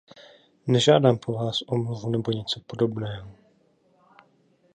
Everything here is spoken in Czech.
Nežádám po vás omluvu nebo něco podobného.